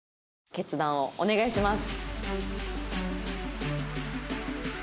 決断をお願いします。